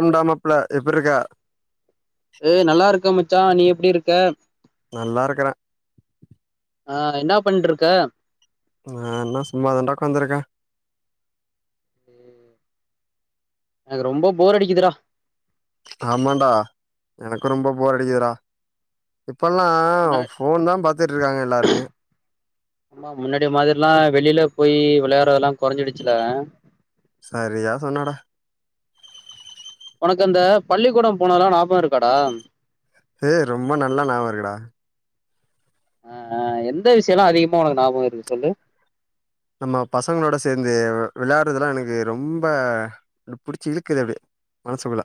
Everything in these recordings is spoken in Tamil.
ஏண்டா மாப்ளே எப்டி இருக்க? ஏய் நல்லா இருக்க ம ச்சா நீ எப்டி இருக்க? நல்லா இருக்கறே. ஆ என்னா பண்ருக்க? ஆ என்ன சும்மாதாண்டா உக்காந்துருக்கே. எனக்கு ரொம்ப போர் அடிக்குதுடா. ஆமாண்டா எனக்கு ரொம்ப போர் அடிக்குதுடா. இப்பெல்லா முன்னா ஃபோன்தா பாத்துட்ருக்காங்க எல்லாருமே. ஆமா முன்னாடி மாதிரிலா வெளில போய் வெளையாடறதல்லா கொறைஞ்சிடுச்சில்ல? சரியா சொன்னடா. உனக்கு அந்த பள்ளிக்கூடோ போனது எல்லா ஞாபகோ இருக்காடா? ஏ ரொம்ப நல்லா ஞாபகோ இருக்குடா. ஆ ஆ எந்த விஷயோல்லா அதிகமா உனக்கு ஞாபகோ இருக்கு சொல்லு. நம்ம பசங்களோட சேந்து வ் விளையான்டதெல்லா எனக்கு ரொம்ப புடிச்சு இழுக்குது அப்டியே மனசுக்குள்ள.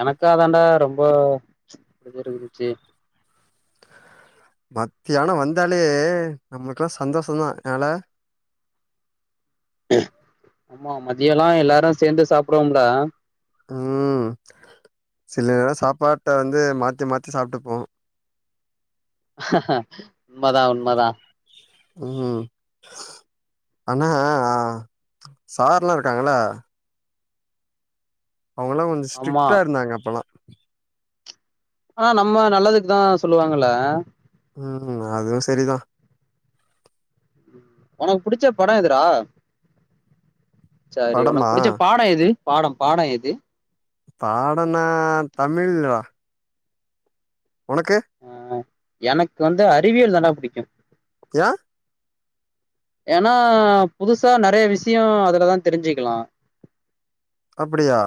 எனக்கு அதாண்டா ரொம்ப புடிச்சிருந்துச்சி. மத்தியானோ வந்தாலே நம்மளுக்கெல்லா சந்தோஷந்தா என்னலே ஆமா மதியோல்லா எல்லாரு சேந்து சாப்டுவோம்ல. ம் சிலதல்லா சாப்பாட்ட வந்து மாத்தி மாத்தி சாப்ட்டுப்போ. உண்மதா உண்மதா. ம் ஆனா சார்ல்லா இருக்காங்கல்ல அவுங்கல்லா கொஞ்சோ ஆமா ஸ்ட்ரிக்டா இருந்தாங்க அப்பெல்லா. ஆனா நம்ம நல்லதுக்குதா சொல்லுவாங்கல்ல. ம் அதுவு சரிதா. உனக்கு புடிச்ச படோ எதுடா? சரி படமா உனக்கு புடிச்ச பாடோ எது? பாடம் பாடோ எது? பாடன்னா தமிழ்தா. உனக்கு? ஆ எனக்கு வந்து அறிவியல்தாண்டா புடிக்கு. யேன்? ஏன்னா புதுசா நெறைய விஷயோ அதுலதா தெரிஞ்சுக்கலா. அப்டியா?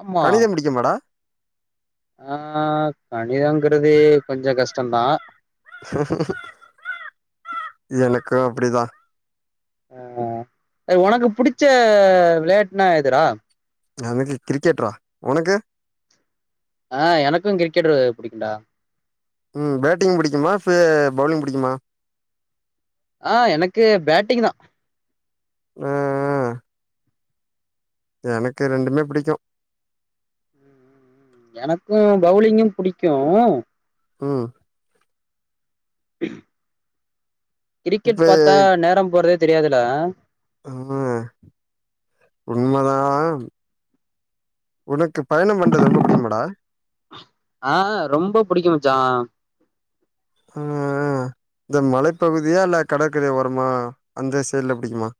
ஆமா கணிதம் புடிக்குமாடா? ஆ கணிதங்கறது கொஞ்சோ கஷ்டந்தா. எனக்கு அப்பிடிதா. ஆ உனக்கு புடிச்ச விளையாட்டுனா எதுறா? எனக்கு கிரிக்கெட்ரா உனக்கு? ஆ எனக்கு கிரிக்கெட்டு புடிக்குண்டா. ம் பேட்டிங் புடிக்குமா ஃபே பவுலிங் புடிக்குமா? ஆ எனக்கு பேட்டிங்தா. ஆ ஆ எனக்கு ரெண்டுமே புடிக்கு. எனக்கு பௌலிங்கு புடிக்கு. ம் [unintelligible] இப்ப கிரிக்கெட் பாத்தா நேரம் போறதே தெரியாதுல ஆ உண்மதா உனக்கு பயணம் பண்றது ரொம்ப பிடிக்குமாடா ஆ ரொம்ப புடிக்கு மச்சா. ஆ இந்த மலைப்பகுதியா இல்ல கடற்கரை ஓரமா அந்த சைடுல புடிக்குமா?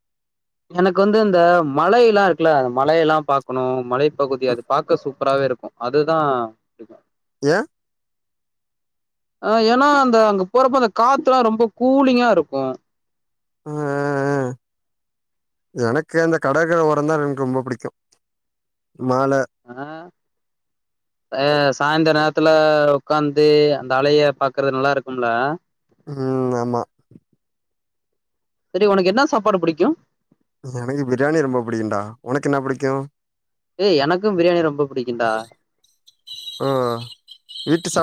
எனக்கு வந்து இந்த மலை எல்லா இருக்குல்ல மலை எல்லா பாக்கணு மலை பகுதி அது பாக்க சூப்பராவே இருக் கு அதுதா புடிக்கு. யேன்? ஆ ஏன்னா அந்த அங்க போறப்ப அந்த காத்தல்ல ரொம்ப கூலிங்கா இருக்கு. ஆ ஆ ஆ எனக்கு அந்த கடற்கர ஓரந்தா எனக்கு ரொம்ப புடிக்கு. ஆ ஆ சாயந்தர நேர த்துல உக்காந்து அந்த அலைய பாக்குறது நல்லா இருக்கும்ல? ம் ஆமா. செரி உனக்கு என்னா சாப்பாடு புடிக்கு? எனக்கு பிரியாணி ரொம்ப புடிக்குண்டா. உனக்கு என்னா புடிக்கு? ஏய் எனக்கும் பிரியாணி ரொம்ப புடிக்குண்டா.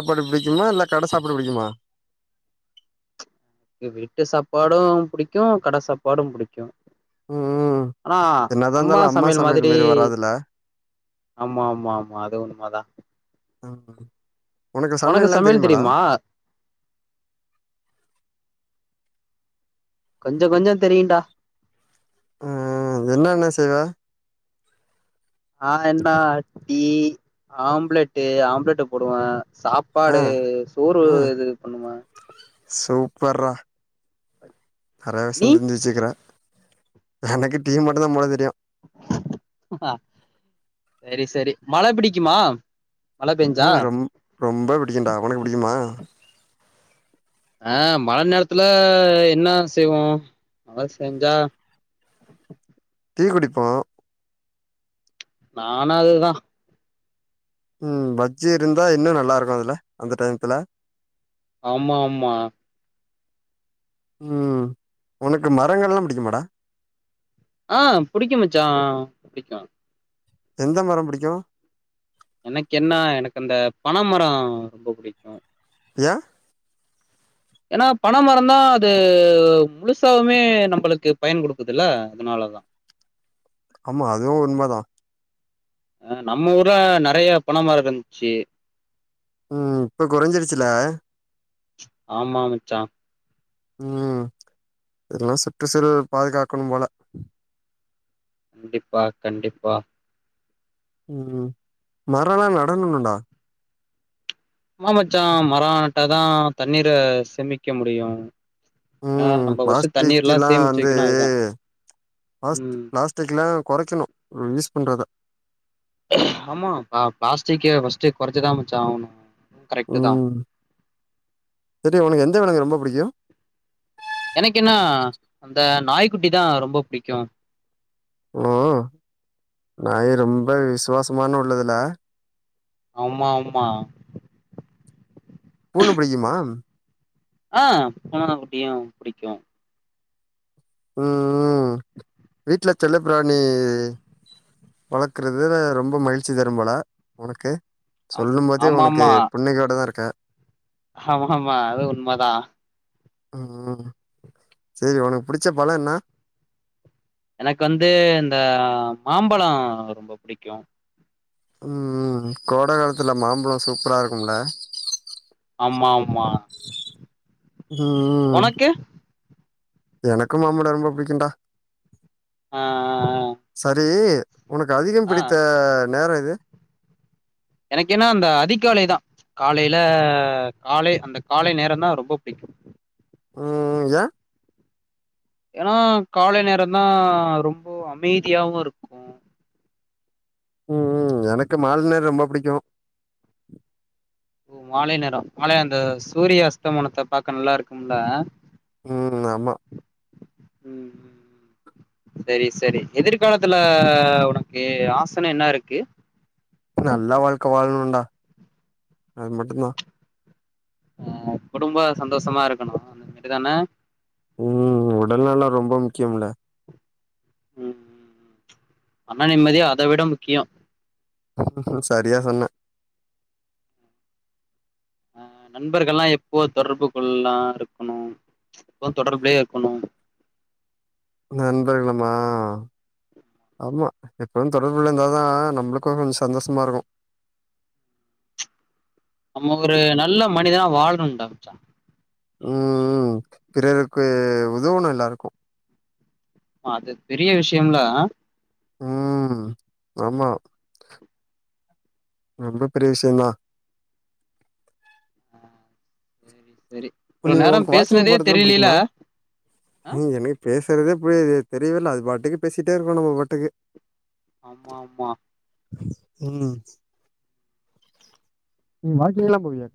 பாடு புடிக்குமா இல்ல கட சாப்பாடு புடிக்குமா? அ வீட்டு சாப்பாடு புடிக்கும் கட சாப்பாடு புடிக்கு. ம் ம் ஆனா என்னதா அம்மா இருந்தாலு சமையல் மாதிரி மாரி வராதுல்ல ஆமா ஆமா ஆமா அது உண்மதா. ஆமா உனக்கு சமையல் தெரியுமா? கொஞ்ச கொஞ்ச தெரியுண்டா. ம் ம் என்னென்ன செய்வ? ஆ என்னா டீ ஆம்லெட்டு் ஆம்லெட்டு் போடுவே. ஆ சாப்பாடு சோறு இது பண்ணுவே. சூப்பர்றா. நெறையா நீ விஷயோ தெரிஞ்சு வெச்சிருக்கற. எனக்கு டீ மட்டுந்தா போட தெரியு. செரி செரி மழ பிடிக்குமா? மழ பெஞ்சா ம் ரொம் ரொம்ப புடிக்குண்டா உனக்கு புடிக்குமா? ஆ மழ நேரத்துல என்னா செய்வோ மழ செஞ்சா டீ குடிப்போ நானு அதுதா. ம் பஜ்ஜி இருந்தா இன்னு நல்லா இருக்கு அதுல அந்த டயத்துல. ஆமா ஆமா. ம் உனக்கு மரங்கள்லா புடிக்குமாடா? ஆ புடிக்கு மச்சா புடிக்கு. எந்த மரம் புடிக்கு? எனக்கு என்ன எனக்கு அந்த பன மரோ ரொம்ப புடிக்கு. யேன்? ஏன்னா பன மரந்தா அது முழுசாவுமே நம்மளுக்கு பயன் குடுக்குதுல்ல அதனாலதா. ஆமா அதுவு உண்மதா. ஆ நம்ம ஊர்ல நெறைய பன மரோ இருந்த்ச்சு. ம் இப்ப கொறைஞ்சிருச்சுல்ல? ஆமா மச்சா. ம் எல்லா சுற்றுசூழல பாதுகாக்கணும் போல. கண்டிப்பா கண்டிப்பா. ம் மரோ எல்லா நடனுன்னன்டா. ஆமா மச்சா மரோ நட்டாதா தண்ணீர சேமிக்க முடியு. ஆ ம் நம்ம ஃபர்ஸ்ட் பிளாஸ்டிக் தண்ணீர்ல்லா எல்லா சேமிச்சு வந்து வைக்கணு அதுதா பிளாஸ்ட் ம் பிளாஸ்டிக் எல்லா கொறைக்கணு நம்ப யூஸ் பண்றத. ஆமா ஆ பிளாஸ்டிக்க ஃபர்ஸ்ட்டு கொறைச்சுதா மச்சா ஆவனு. ம் செரி உனக்கு எந்த விலங்கு ரொம்ப புடிக்கு? எனக்கு என்ன அந்த நாய்க்குட்டிதா ரொம்ப புடிக்கு. ஓ நாயி ரொம்ப விசுவாசமான உள்ளதுல? ஆமா ஆமா. பூன பிடிக்குமா? ஆ பூன குட்டியு புடிக்கு. ம் ம் வீட்ல செல்ல பிராணி வளக்கறது ரொம்ப மகிழ்ச்சி தரும் போல உனக்கு? ஆம் சொல்லும் போதே ஆமா உனக்கு ஆமா புன்னகையோடதா இருக்க. ஆமா ஆமா அது உண்மதா. ம் சேரி உனக்கு புடிச்ச பழோ என்ன? எனக்கு வந்து இந்த மாம்பழோ ரொம்ப புடிக்கு. உம் கோட காலத்துல மாம்பழோ சூப்பரா இருக்கும்ல? ஆமா ஆமா. ம் எனக்கு மாம்பழோ ரொம்ப புடிக்குன்டா. ஆ சரி உனக்கு அதிகம் ஆ பிடித்த நேரோ எது? எனக்கு என்ன அந்த அதிகாலைதா காலைல காலை அந்த காலை நேரந்தா ரொம்ப புடிக்கு. ம் யேன்? ஏன்னா காலை நேரந்தா ரொம்ப அமைதியாவு இருக்கு. ம் ம் எனக்கு மால நேரோ ரொம்ப புடிக்கு. ஓ மாலை நேரோ மாலை அந்த சூரிய அஸ்தமனத்த பாக்க நல்லா இருக்கும்ல? ம் ஆமா. ம் சரி சரி எதிர்காலத்துல உனக்கு ஆசன்னா என்ன இருக்கு? நல்லா வாழ்க்க வாழனுண்டா அது மட்டுந்தா அ குடும்ப சந்தோஷமா இருக்கணு அந்த மாதிரிதான ம் உடல்நலோ ரொம்ப முக்கியம்ல ம் அவ நிம்மதியா அத விட முக்கியோ செரியா சொன்ன அ நண்பர்கல்லா எப்போ தொடர்பு கொள்லா இருக்கணு ம்ச் எப்போ தொடர்புலயே இருக்கணு நண்பர்கலுமா ஆமா எப்பும் தொடர்புள்ள இருந்தாதா நம்மளுக்கு கொஞ்சோ சந்தோஷமா இருக்கு நம்ம ஒரு நல்ல மனிதனா வாழ்னுன்டா மச்சா ம் பிறருக்கு உதவுனு எல்லாருக்கு அது பெரிய விஷ்யோம்ல ம் ஆமா ரொம்ப பெரிய விஷயந்தா ம் நீ உனக்கு வாக்கிங் போறதுல்லா புடிக்குமா ஆ என்னிய பேஸ் தெரிது புரியாது தெரியல அது பாட்டுக்கு பேசிட்டே இருக்கோ நம்ம பாட்டுக்கு ஆமா ஆமா ம் நீ வாக்கிங் எல்லா போவியா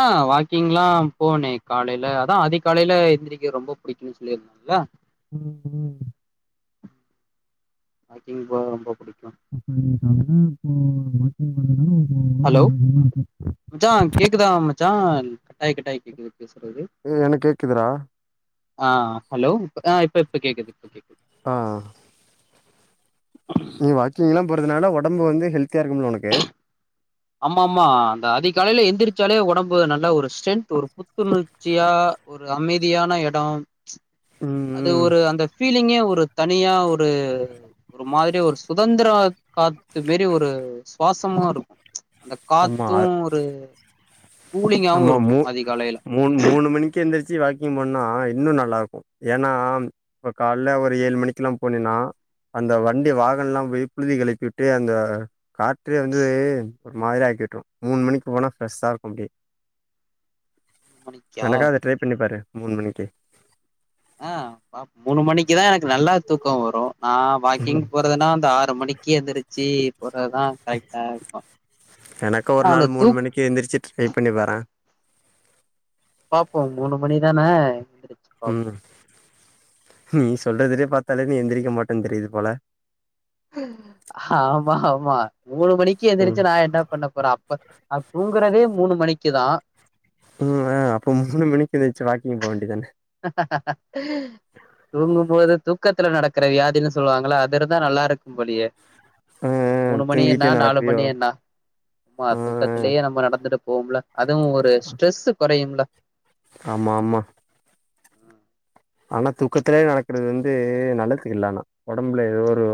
ஆ வாக்கிங்ல்லா போனே காலையில அதா அதிகாலையில எந்திரக்க ரொம்போ புடிக்குன்னு சொல்லிருந்தாங்களா ம் ம் வாக்கீங் போவ ரொம்ப புடிக் [unintelligible] [unintelligible] அலோ உனக்கு ஒடம்பு ஆரோக்கியமா இருக்கு மச்சா கேக்குதா மச்சான் கட்டாய் கட்டாய் கேக்குது பேசுறது ஏ எனக்கு கேக்குதுடா ஆ அலோ இப்ப அ இப்ப இப்ப கேக்குது இப்ப கேக்குது ஆ நீ வாக்கிங்ல்லா போறதுனால ஒடம்பு வந்து ஹெல்தியா இருக்கும்ல உனக்கு ஆமா ஆமா அந்த அதிகாலையில எந்திரிச்சாலே ஒடம்பு நல்ல ஒரு ஸ்ட்ரென்த் வரு புத்துணர்ச்சியா ஒரு அமைதியான எடோம் ம்ச் ம் அது ம் ஒரு அந்த பீலிங்கே ஒரு தனியா ஒர் ஒரு ஒரு மாதிரி ஒரு சுதந்துர காத்து மேரி ஒரு சுவாசமா இருக்கு ம்ச் அந்த ஆமா காத்து அ- ஒரு கூலிங்காவு ஆமா இருக்கு மூ அதிகாலையில மூண் மூணு மணிக்கு எந்துருச்சு வாக்கிங் போன்னா இன்னு நா நல்லா இருக்கு ஏன்னா கால ஒரு ஏழு மணிக்குல்லா போனேனா அந்த வண்டி வாகனல்லாமே புழுதி கழப்பிட்டு அந்த கா ட்டு வந்து ஒரு மாதிரி ஆக்கிவிட்டுரு மூணு மணிக்கு போனா ஃப்ரெஸ்ஷா இருக்கும் அப்டியே மூணு மணிக்கா ஏனாக்கா அத ட்ரை பண்ணிப்பாரு மூணு மணிக்கு ஆ பாப் மூணு மணிக்குதா எனக்கு நல்லா தூக்கொ வரு ஆ வாக்கிங் ம் போறதுன்னா அந்த ஆறு மணிக்கு எந்துருச்சி எனக்கு ஏன்னா ஒரு அந்த நாள் மூண் தூக் மணிக்கி எந்திரிச்சி ட்ரை பண்ணி பாரே பாப்போ மூணு மணிதான எந்தி ர்ச்சு பாப்போ ம் நீ சொல்றதுலே பாத்தாலே நீ எந்திரிக்க மாட்டன் தெரியிது போல ஆமா ஆமா மூணு மணிக்கு ம் எந்திரச்சு நா என்ன பண்ண போறே அப்ப நா தூங்குறதே மூணு மணிக்குதா ம் ஆ அப்ப மூணு மணிக்கு எந்திர்ச்சு வாக்கிங் போ வேண்டிதானெ தூங்கும்போது தூக்கத்துல நடக்குற வியாதினு சொல்லுவாங்கள அது இருந்தா நல்லாருக்கும் போலியே ஆ ஆ மூணு மணி என்னா தூங்கிட்டே நாலு நடப்பியோ மணி என்னா சும்மா ஆ தூக்கத்துலயே நம்ம நடந்துடு போம்ல அதுவு ஒரு ஸ்ட்ரெஸ்ஸு கொறையும்ல ஆமா ஆமா ஆனா தூக்கத்துலயே நடக்குறது வந்து நல்லதுக்கு இல்ல அனா ஒடம்புல எதோ ஒரு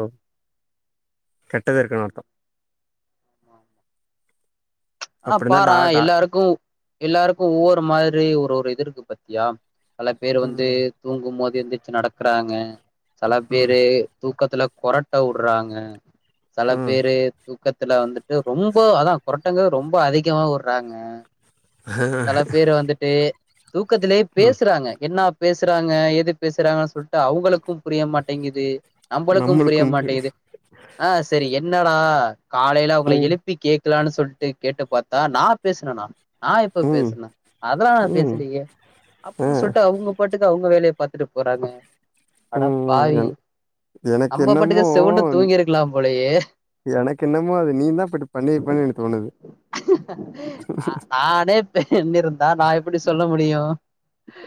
கெட்டது இருக்குனு அரத்தம் ஆனா பாரெ டா எல்லாருக்கு எல்லாருக்கு ஒவ்வொரு மாரி ஒரு ஒரு இது இருக்கு பாத்தியா செல பேர் வந்து ம் தூங்கும்மோ து எந்திச்சு நடக்குறாங்க செல ம் பேரு தூக்கத்துல கொறட்ட வுட்றாங்க சல ம் பேரு தூ க்கத்துல வந்து ட்டு ரொம்ப அதா கொறட் டங்க ரொம் ப அதிகமாவுர்றாங்க செல பேரு வந்துட்டு தூக்கத்துலே ம் பேசுறாங்க என்னா பேசுறாங்க எது பேசுறாங்க சொல்ட்டு அவுங்களுக்கு புரிய மாட்டேங்கிது நம்பளுக்கும் புரிய நம்மளுக்கு மாட்டிங்கிது ஆ‌ செரி எ ன்னடா காலைல அவுங்கள ம் எழுப்பி கே க்லான்னு சொல்ட்டு கேட்டு பாத்தா நா பேசுனனா [unintelligible] ப்ப ம் பேசுன அதல்லா நா ம் பேசுலயே ஆ அப்புன்னு சொல்ட்டு அவுங்க பாட்டுக்கு அவுங்க வேலய பாத்துட்டு போறாங்க அடப்பாவி ம் எனக்கு நம்ப பாட்டுக்கு என்னமோ செவுண்டு தூங்கிருக்லாம் போலயே எனக்கு என்னமோ அது நீ தா இப்டி பண்ணிருப்பன்னு எனக்கு தோணுது நானே [unintelligible] இருந்தா நா எப்பிடி சொல்ல முடியு ஆஹ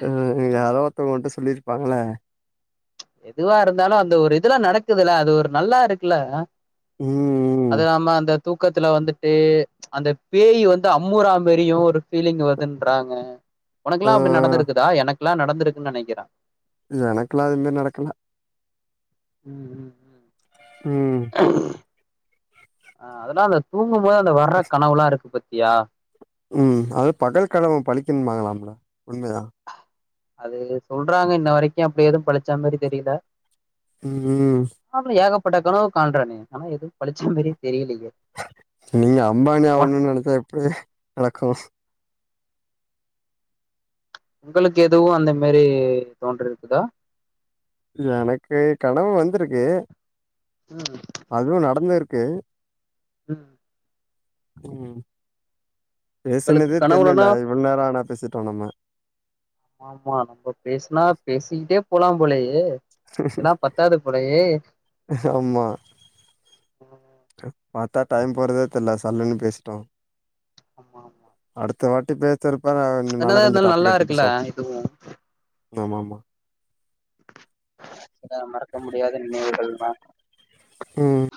அ யாரோ ஒருத்தவ்ங்க ஓன்ட்ட சொல்லிருப்பாங்கள எதுவா இருந்தாலு அந்த ஒரு இதுல நடக்குதுல அது ஒரு நல்லா இருக்குல்ல அ ம் அது நாம அந்த தூக்கத்துல வந்துட்டு அந்த பேய் வந்து அம்மூறா மரியு ஒரு ஃபீலிங் வருதுன்றாங்க ஆ ஒனக்குலா அப்டி நடந்துருக்குதா என க்லா நடந்துருக்குன் நெனக்கிறே எனக்லா எதுவ்மே நடக்கல ம் ம் ம் ம் ஆ அதுனால தூ ங்கும்போது அந்த வர கனவுலா இருக்கு பத் தியா ம் அது பகல் கனவு பழிக்கும்பாங்களாம்ல உண்மயா? அது சொல்றாங்க இன்ன வரைக்கு அப்டி எது பழுச்சா மாரி தெரியில ம் ப்பட்ட கனவு காண்றனே ஆனா எதும் பழுச்ச மாரியே தெரியலையே நீங்க அம்பானி ஒ ஆவுனுன் நெனச்சா எப்டி நடக்கு உங்களுக்கு எதுவு அந்த மாரி தோன்றிருக்குதா? எனக்கு கனவு வந்துருக்கு ம் அதுவு நடந்து இருக்கு ம் ம் உங்களுக்கு பேசுனதே கனவுலனா தெர்லல இவ்ளோ நேரோ ஆனா பேசிட்டோ நம்ம ஆமா நம்ப பேசுனா பேசிக்கிட்டே போலாம் போலயே இதுல்லா பத்தாது போலயே ஆமா [unintelligible] பாத்தா டைம் போறதே தெர்ல சல்லுன்னு பேசிட்டோ ஆமா ஆமா தேட்டி பே சிரப்பான நாள என்னதா கொஞ்சோ இருந்தாலு டாபிக் நல்லா எடுத்து இருக்குல்ல பேசுவோ இதுவு ஆமா ஆமா ஆமா மறக்க முடியாத நினைவுகள் மேம் ம்